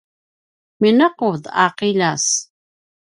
minequt a qiljas